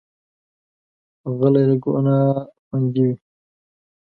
غلی، له ګناه خوندي وي.